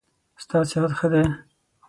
ستا صحت ښه دی؟